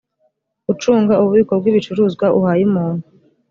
ucunga ububiko bw ibicuruzwa uhaye umuntu